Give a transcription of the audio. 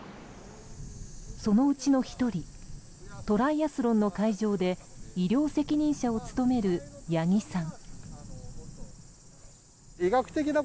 そのうちの１人トライアスロンの会場で医療責任者を務める八木さん。